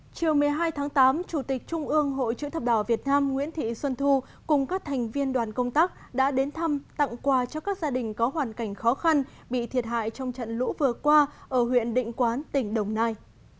chiều một mươi hai tháng tám chủ tịch trung ương hội chữ thập đỏ việt nam nguyễn thị xuân thu cùng các thành viên đoàn công tác đã đến thăm tặng quà cho các gia đình có hoàn cảnh khó khăn bị thiệt hại trong trận lũ vừa qua ở huyện định quán tỉnh đồng nai